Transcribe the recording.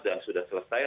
dan sudah selesai